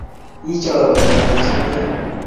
I Choruennyo ne cha-mech kot;